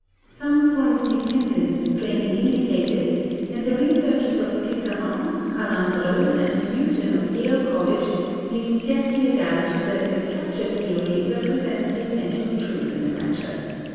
Some form of dependence is plainly indicated, and the researches of Tisserand, Callandreau, and Newton of Yale College, leave scarcely a doubt that the "capture theory" represents the essential truth in the matter.